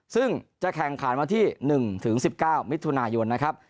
ซึ่งจะแข่งขันวันที่๑ถึง๑๙มิถุนายนนะครับ